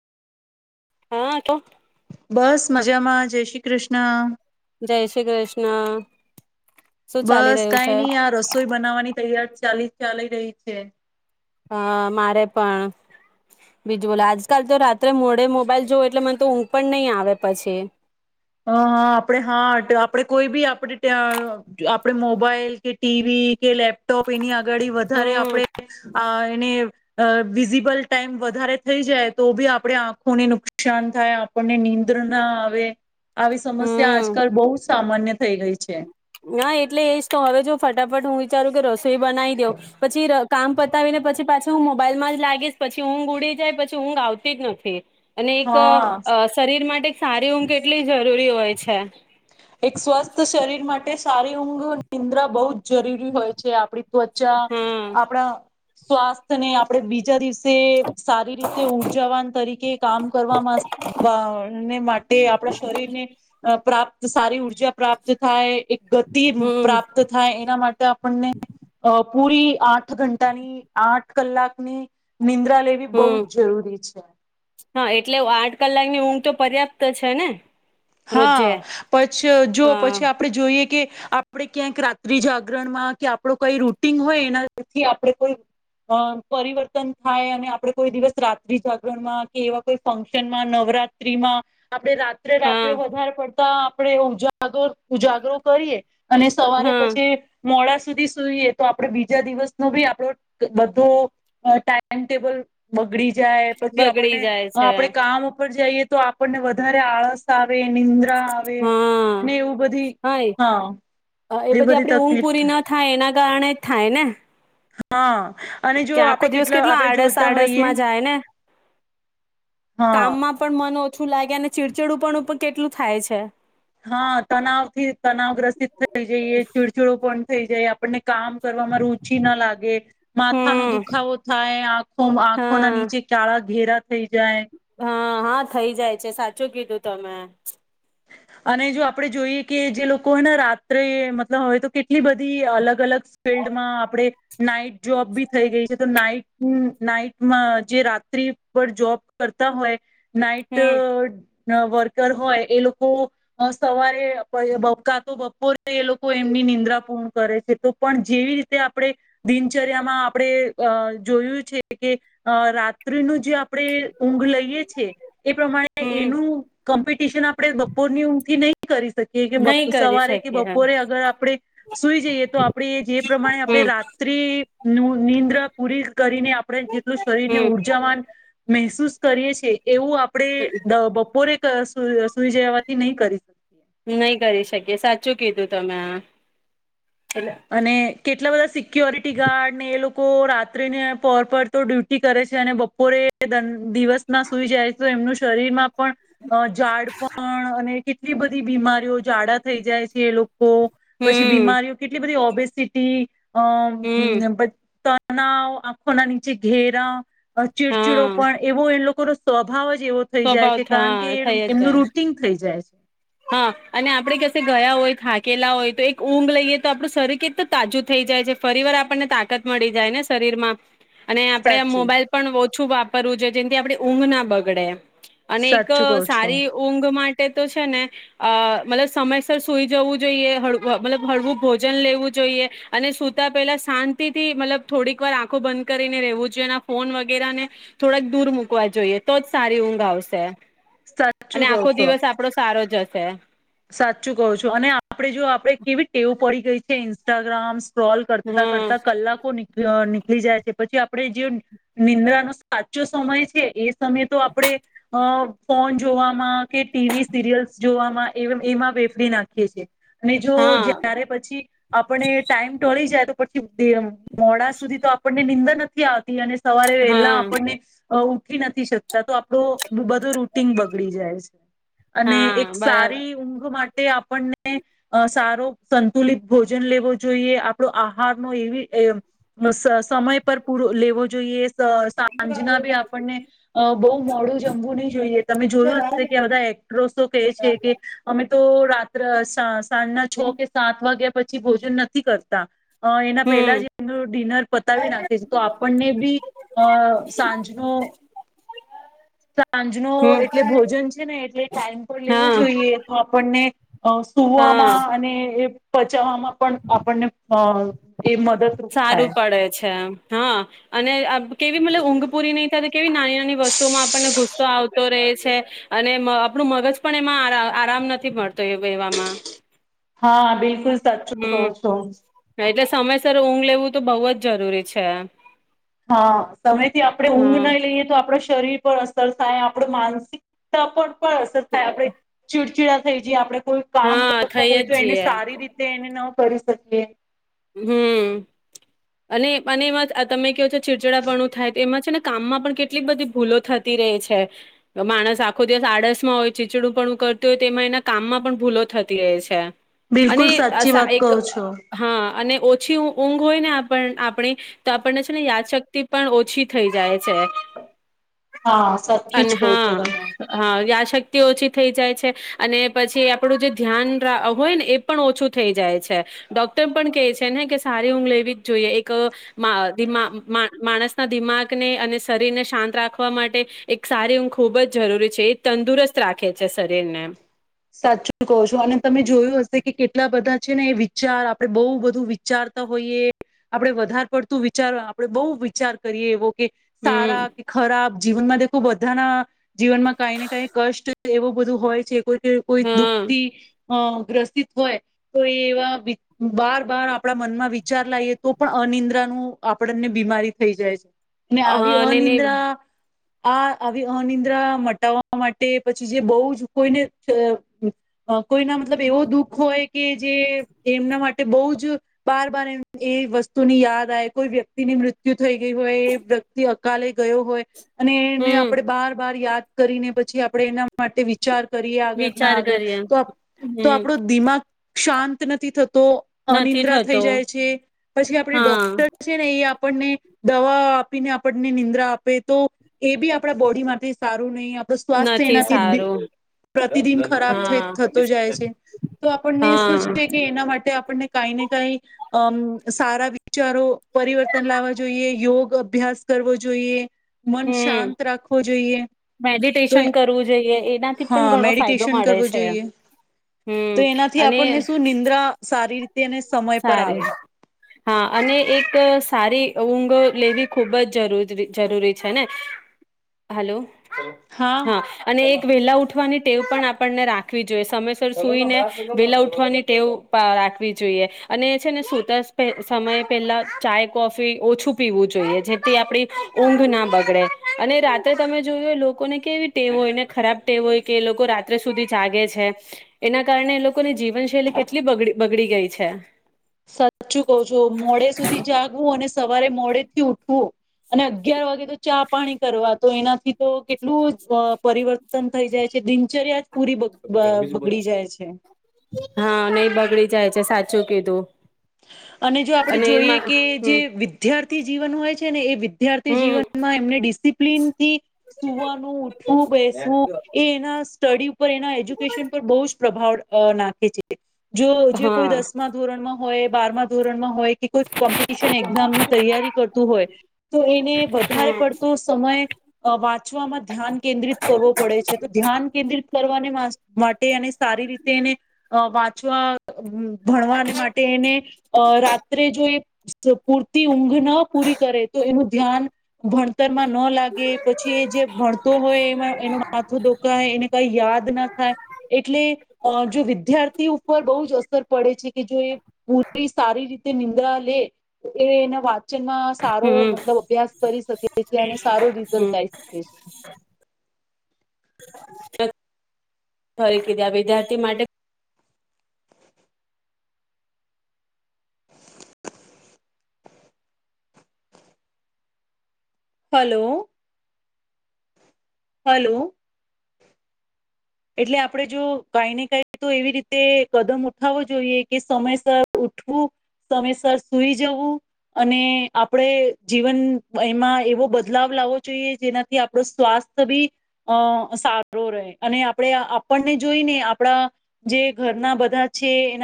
હા તો. બસ મજામાં જય શ્રી કૃષ્ણ. જય શ્રી કૃષ્ણ. શું ચાલી બસ રહ્યું કઈ છે નહી આ રસોઈ બનાવાની તૈયારી ચાલી ચાલી રહી છે. હ મારે પણ બીજું બોલો આજકાલ તો રાત્રે મોડે મોબાઈલ જોવો એટલે મને તો ઊંઘ પણ નહી આવે પછી હ હા આપડે હાટ આપડે કોઈ બી આપણેે મોબાઈલ કે ટીવી કે લેપટોપ એની આળ આગળ વધારે હમ આપણે અ વિઝિબલ ટાઈમ વધારે થઈ જાય તો બી આપણે આંખોને નુકસાન થાય આપણને નિનીંદ્ર ના આવે. આવી સમસ્યા ત્યા હમ આજકાલ બહુ સામાન્ય થઈ ગઈ છે. ના એટલે એજ તો હવે જો ફટાફટ હું વિચારું કે રસો બનાવી દ પછી કામ પતાવીને પછી પાછી હું મોબાઈલમાં જ લાગીશ પછી ઊંઘ ઉડી જાય પછી ઊંઘ આવતી જ નથી અને એક હા શરીર માટે સારી ઊઘ કેટલી જરૂરી હોય છે. એક સ્વસ્થ શરીર માટે માટે સારી ઊંઘ નિદ્રા બહુ જ જરૂરી હોય છે આપણી ત્વચા હા આપણા સ્વાસ્થ્ય ને આપડે બીજા દિવસે તે સારી રીતે ઉર્જાવાન તરીકે કામ કરવાને માટે આપણા શરીરને પ્રાપત તો સારી ઉ ઉજા પ્રાપ્ત થાય એક ગતિ હમ પ્રાપ્ત થાય એના માટે આપણને અ પૂરી આઠ ઘંટાની આઠ કલાકની નિંદ્રા લેવી બહુ હમ જ જરૂરી છે. હા એટલે આઠ કલાકની ઊંઘ તો પર્યાપ્ત છે ને હા રોજે પછી જો હા પછી આપણે જોઈએ કે આપણે ક્યાંક રાત્રિ જાગરણ માં કે આપડો કઈ રૂટીન હોય એનાથી આપણે કોઈ અ પરિવર્તન થાય અને આપડ કોઈ દિવસ રાત્રિ જાગરણ માં, કે એવા કોઈ ફંક્શનમાં, નવરાત્રીમાં આપણે રાત્રે રાત્ર હા વધારે પડતા આપણેે ઉજાગર ઉજાગરો કરીએ અને સવારે હા પછી મોડા સુ સુધી સુઈએ તો આપડ બીજા દિવસનો બી આપડો બધો ટાઈમ ટેબલ બગડી જાય પછી બગડી આપણને જાય અ છે. આપડે કામ ઉપર જઈએ તો આપણને વધારે આળસ આવે નિંદ્રા આવે હા ને એવું બધી હા એ બધી આપડી ઊંઘ તકલીફ પૂરી થાય. ના એના કારણે થાય ને. હા. અને જો કે આખો આપણે દિવસ કેટલા કેટલો આપણે આડસ જોતા આડસ હોઈએ માં જાય ને હા કામમાં પણ મન ઓછ ઓછું લાગે અને ચીડચિડુંપણુ પણ કેટલું થાય છે. હા તનાવ થી તનાવગ્રસ્તિત થઈ જઈએ ચીડચીડુંપણું થઈ જાય આપણને કામ કરવામા રુચિ ન લાગે માથાનો હમ દુખાવો થાય આંખો આંખોના હા નીચે કાળા ઘેરા થઈ જાય. હા હા થઈ જાય છે. સાચું કીધું તમે. અને જો આપણેે જોઈએ કે જે લોકોને રાત્રે મતલબ હોય તો કેટલી બધી અલગ-અલગ ફિલ્ડમાં આપણે નાઈટ જોબ બી થઈ ગઈ છે તો નાઈટ નાઈટમાં જે રાત્રિ પર જોબ કરતા હોય નાઈટ હમ અ વર્કર હોય એ લોકો લોકો અ સવારે બ કા તો બપોરે એ લોકો એમની નિંદ્રા પૂર્ણ કરે છે. તો પણ જેવી રીતે આપણે દિનચર્યામાં આપણે અ જોયું છે કે અ રાત્રિનું જે આપ આપણે ઊંઘ લઈએ છે એ પ્રમાણે હમ એનું કોમ્પિટિશન આપણે બપ ની ઊંઘથી નહી કરી શકીએ કે બ નહી કરી સવારે કે શકીએ બપોરે અગર આપણે સુઈ જઈએ તો આપણે જે પ્રમાણે આપણે હમ રાત્રિ નું નીંદ્રા પૂરી કરીને આપણે જેટલું શરીરને હમ ઉર્જાવાન મહેસૂસ કરીએ છે. એવું આપડે દ બપોરે સુું સુ. [unintelligible] નહી કરી શકીએ સાચું કીધું. તમે? એટલે અને કેટ કેટલા બધા સી સિક્યોરિટી ગાર્ડ ને એ લોકો લોકો રાત્રિને પોર પર તો ડ્યુટી કરે છે અને બપોરે દિવસ ના સુઈ જાય. તો એમનું શરીરમાં પણ અ ઝાડપણ અને કેટલી બધી બીમારીઓ જાડા થઈ જાય છે એ લોકો કો પછી હમ બીમારીઓ બધી ઓ બે સિટી અમ હમ બા. [unintelligible] તનાવ આંખોના નીચે ઘેરા ચીડચીડો હા પણ એવો એ લોકો કો સ્વભાવ જ એવો થઈ જાય છે, સ્વભાવ કારણ કે હા થઈ જ એમનું જાય રૂટીન થઈ જાય હા, અને આપણે કશે ગયા હોય, થાકેલા હોય તો એક ઊંઘ લઈએ તો આપણું શરીર કેટલું તાજું થઈ જાય છે. ફરી વાર આપણને તાકાત મળી જાય ને શરીર માં અને આપડે આ સાચું મોબાઈલ પણ છુ વાપરવું છે જેથી આપણે ઊંઘ ના બગડે અને એક સાચું કહો છો સારી ઊંઘ માટે તે તો છે ને અ મતલબ સમયસર સુઈ જવું જોઈએ, મતલબ હળવું ભોજન લેવું જોઈએ અને સુતા પહેલા શાંતિ થી મતલબ થોડીક વાર આંખો બંધ કરીને રહેેવું જોઈએ ફોન વગેરા ને થોડાક દૂર મૂકવા જોઈએ તો જ સારી ઊંઘ આવશે. સાચું અને કહો આખો છો દિવસ આપડો સારો જશે. હા [unintelligible] સાચું કો છો અને આપડે જો આપડે કેવી ટેવ પડી ગઈ છે ઇન્સ્ટાગ્રામ સ્ક્રોલ કરતા હમ કરતા કલાકો ની ળી જાય છે. પછી આપડે જે નિંદ્રા ન સાચો સમય છે એ સમયે તો આપણેે અ ફોન જોવામાં કે ટીવી સિરિયલ્સ જોવામાં એમાં વેફરી નાખીએ છીએ. અને જો હા જ્યારે પછી આપણે ટાઈમ ટળી જાય તો પછી મોડા સુધી તો આપણને નિનીંદન નથી આવતી અને સવારે વહેલા હા આપણને ઉઊઠી નથી શકતા તો આપડો બધો રૂટીન બગડી જાય છે અને હા એક બરાબર સારા ઊંઘ માટે આપણને સારો સંતુલિત ભોજન લેવો જોઈએ આપણો આહાર નો એવી સમય પર પૂ લેવો જોઈએ સાંજના બી આપણને બહુ મોડું જમવું નહીિ જોઈએ તમે જોયું હશે કે આ બધા એક્ટ્રસો કે છે અમે તો રાત્રે સાંજના છ કે સાત વાગ્યા પછી ભોજન નથી કરતા અ એના પહેલા હમ જ એમનું ડિનર પતાવી નાખે છે તો આપણને બી અ સાંજનો સાંજ નો હમ એટલે ભોજન છે ને એટલે ટાઈમ પર લેવુંો હા જોઈએ તો આપણને અ હા સુવામાં અને એ પચાવવામાં પણ આપણને અ એ મદદરૂપ સારું થાય પડે છે એમ હા અને કેવી મતબ ઊંઘ પૂરી નહી થાય તો કેવી નાની નાની વસ્તુમાં આપણને ગુસ્સો આવતો રહે છે અને આપણું મગજ પણ એમાં આરામ નથી મળતો એ એવામાં હમ તચુંકો છો [unintelligible] એટલે સમયસર ઊંઘ લેવું તો બહુ જ જરૂરી છે હા સમયથી આપણે હ ઊંઘ નઈ લઈએ તો આપડો શ શરીર પર અસર થાય, આપણું માનસિકતા પણ પણ અસર થાય, આપણે ચીડચીડા થઈ જઈએ આપડે. કોઈ કામ હા કરતા થઈ જ હોય તો એને જઈએ સારી રીતે એને ન કરી શકીએ. હમ્મ, અને-અને એમાં તમે કહ્યો છો ચિચિડાપણું થાય તો એમાં છે ને કામમાં પણ કેટલીક બધી ભૂલો થતી રહે છે, માણસ આખો દિવસ આડસમાં હોય, ચીચડુંપણું કરતું હોય તો એમાં એના કામમાં પણ ભૂલો થતી રહે છે. અને બિલકુલ આ સાચી સા વાત કહો એક છો. હા અને ઓછી ઊ ઊંઘ હોય ને આપણ આપણી તો આપણને છે ને યાદશક ક્તિ પણ ઓછી થઈ જાય છે. હા સાચું જ કહો છો તમે. શક્તિ ઓછી થઈ જાય છે, અને પછી આપણું જે ધ્યાન રા હોય ને એ પણ ઓછું થઈ જાય છે. ડોક્ટર પણ કહે છે ને કે સારી ઊંઘ લેવી જ જોઈએ. એક અહ મા દિ મા-મા માણસના દિમાગને અને શરીરને શાંત રાખવા માટે એક સારી ઊંઘ ખૂબ જ જરૂરી છે, એ તંદુરસ્ત રાખે છે શરીરને એમ. સાચું કહો છો, અને તમે જોયું હશે કે કેટ લા બધા છે ને એ વિચાર આપડે બહુ બધું વિચારતા હોઈએ, આપડે વધાર પડતું વિચાર આપડે બહુ વિચાર કરીએ એવો કે હમ સારા કે ખરાબ જીવનમાં [unintelligible] બધાના જીવનમાં કાઈ ને કઈ કષ્ટ એવું બધું હોય છે કોઈ દિ કોઈ હા દુખતી અહ ગ્રસિત હોય, તો એ એવા વિ બાર-બાર આપણા મનમાં વિચાર લાઈએ તો પણ અનિદ્રાનું આપણને બીમારી થઈ જાય છે. ને આવી હા ને ને અનિંદ્રા આ આવી અનિંદ્રા મટાવવા માટે પછી જે બહું જ કોઈને [unintelligible] અહ કોઈના મતલબ એવો દુઃખ હોય કે જે એમના માટે બઉજ બાર-બાર એ-એ વસ્તુની યાદ આઈ, કોઈ વ્યક્તિની મૃત્યુ થઈ ગઈ હોય એ વ્યક્તિ કાલે ગયો હોય અને એને હમ આપડે બાર-બાર યાદ કરીને પછી આપણે એના માટે વિચાર કરીએ આગળ ને વિચાર આગળ કરીએ તો-તો હમ આપડું દિમાગ શાંત નથી થત તો, નથી અનિંદ્રા થઈ થતો જાય છે, પછી આપણી હા ડોક્ટર છે ને એ આપણને દવા આપીને આપણને નિંદ્રા આપે તો એ બી આપણા બોડીમાંથી સારું નહી તો સ્વાસ્થ્ય નથી એનાથી સારું પ્રતિદિન ખરાબ થ હા થતો જાય છે તો આપણને શું હા છે કે એના માટે આપણને કઈ ને કઈ અમ સારા વિચારો પરિવર્તન લાવવા જોઈએ યોગ અભ્યાસ કરવો જોઈએ. મન હમ શાંત રાખવો જોઈએ તો મેડિટેશન કરવું જોઈએ. એનાથી પણ હા ઘણો ફાયદો મેડિટેશન મળે કરવું છે જોઈએ હમ તો એનાથી આપને શું નિંદ્રા સારી રીતે અને સમય પર સાર આવે હા અને એક સારી ઊંઘો લેવી ખૂબ જ જરૂ જરૂરી છે ને હલો હા અને એક વેલા ઉઠવાની ટેવ પણ આપણને રાખવી જોઈએ સમયસર સુઈને વેલા ઉઠવાની ટેવ રાખવી જોઈએ. અને એ છે ને સુતા સમય પહેલા ચાય કોફી ઓછું પીવું જોઈએ જેથી આપડી ઊંઘ ના બગડે અને રાત્રે તમે જોયું લોકોને કેવી ટેવો હોય ને ખરાબ ટેવો હોય કે એ લોકો રાત્રે સુધી જાગે છે એના કારણે એ લોકોની જીવનશૈલી કેટલી બ બગડી ગઈ છે. સાચું કવ છું મોડે સુધી જાગવું અને સવારે મોડે થી ઉઠવું અને અગિયાર વાગે તો ચા પાણી કરવા તો એનાથી તો કેટલું પરિવર્તન થઈ જાય છે દિનચર્યા પૂરી બગ- બ- બગડી જાય છે [inaudible] હા નઈ બગડી જાય છે સા [unintelligible] ચો કેધુ અને જો આપડે જોઈએ કે જે હમ વિદ્યાર્થી જીવન હોય છે ને, એ વિદ્યાર્થી હમ જીવનમાં એમને ડિસિપ્લિનથી સુવાનું, ઉઠવું, બેસવું એ એના. તડી. એના એજ્યુકેશન પર બહુ જ. પ્રભાવ નાખે છે. જો જે કોઈ હા દસમા ધોરણમાં. હોય બારમાં ધોરણ માં. કો કોમ્પિટશન એઝામની તૈયારી કરતું હોય તો એને વધારે પડતો સમય વાંચવામાં ધ્યાન કેન્દ્રિત કરવો પડે છે, તો ધ્યાન કેન્દ્ર. કરવા મા. માટે અને સારી રીતે એને વાત. જો હમ. ભણવાને માટે. એને રાત્રે જો. પૂરતી ઊંઘ ન પૂરી કરે તો એનું ધ્યાન ભણતર. ન લાગે, પછી એ જે ભણતો હોય એમાં એનો માથો દુખાય, એને કંઈ યાદ ના થાય. એટલે જો વિદ્યાર્થી ઉપર બહુ જ અસર પડે છે કે જો એ. પૂરી સારી. નિંદ્રા લે એ એના વાત. માં સારો હમ મતલબ અભ્યાસ કરી શકે છે અને સારો રિઝલ્ટ હમ આવી ગઈ શકે છે. [unintelligible] કીધા વિદ્યાર્થી માટે હલો. હલો. એટલે આપણે જો કાઈ ને કાઈ તો એવી રીતે કદમ ઉઠાવો જોઈએ કે સમયસર ઉઠવું, સમયસર સુઈ જવું, અને આપડે જીવન એમાં એવો બદલાવ લાવવો જોઈએ, જેનાથી આપણું સ્વાસ્થ્ય બી અહ સારો રહે. અને આ પણે આપણને જોઈને આપણા જે ઘરના બધા છે એના